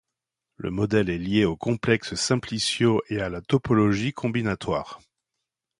Le modèle est lié aux complexes simpliciaux et à la topologie combinatoire.